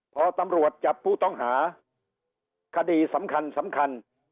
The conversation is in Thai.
พอตำรวจจับผู้ต้องหาคดีสำคัญสำคัญ